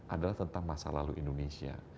adalah tentang masa lalu indonesia